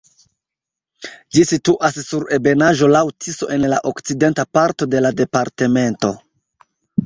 Ĝi situas sur ebenaĵo laŭ Tiso en la okcidenta parto de la departemento.